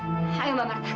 sampai ketemu di sini